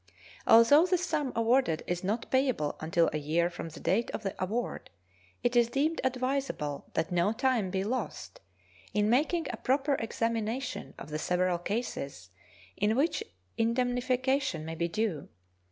Although the sum awarded is not payable until a year from the date of the award, it is deemed advisable that no time be lost in making a proper examination of the several cases in which indemnification may be due.